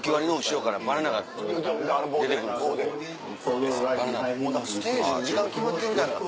だからステージの時間決まってるみたいな。